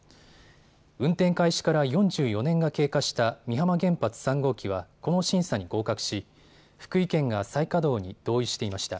運転開始から４４年が経過した美浜原発３号機はこの審査に合格し、福井県が再稼働に同意していました。